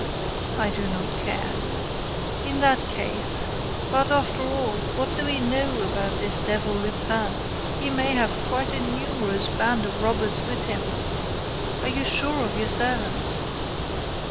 "I do not care." "In that case... but, after all, what do we know about this devil Lupin! He may have quite a numerous band of robbers with him. Are you sure of your servants?"